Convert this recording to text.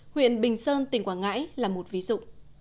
huyện bình sơn tỉnh quảng ngãi là một ví dụ